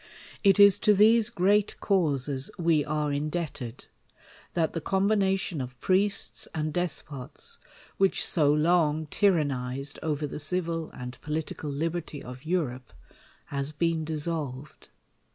Itis to th^se great causes we are indebted, that the combination of priests and despots, which so long ty rannized over the civil and political liberty of Europe, has been dissolved.